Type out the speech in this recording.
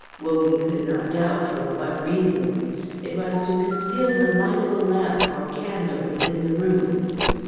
Wogan could not doubt for what reason. It was to conceal the light of a lamp or candle within the room.